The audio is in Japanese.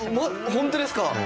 本当ですか！？